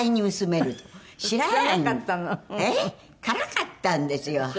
辛かったんですよ